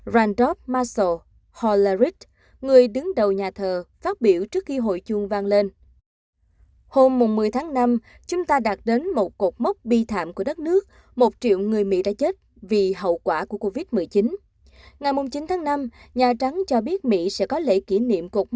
randolph marshall hallerich người đứng đầu nhà thờ phát biểu trước khi hội chuông vang lên